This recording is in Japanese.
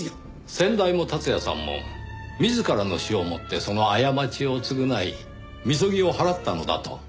先代も達也さんも自らの死を持ってその過ちを償い禊ぎを払ったのだと？